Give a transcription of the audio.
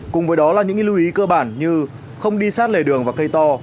cùng với đó là những lưu ý cơ bản như không đi sát lề đường và cây to